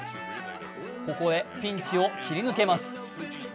ここはピンチを切り抜けます。